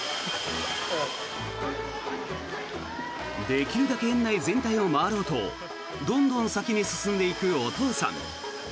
できるだけ園内全体を回ろうとどんどん先に進んでいくお父さん。